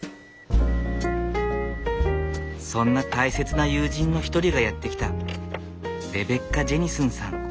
そんな大切な友人の一人がやって来た。レベッカ・ジェニスンさん。